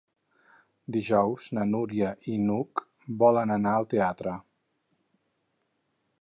Dijous na Núria i n'Hug volen anar al teatre.